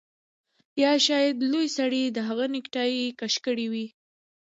یا شاید لوی سړي د هغه نیکټايي کش کړې وي